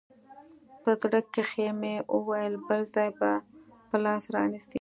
په زړه کښې مې وويل بل ځاى به په لاس را نه سې.